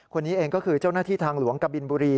คนนี้เองก็คือเจ้าหน้าที่ทางหลวงกบินบุรี